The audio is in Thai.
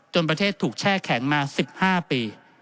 ประเทศถูกแช่แข็งมา๑๕ปี